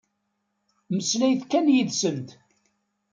Mmeslayet kan yid-sent.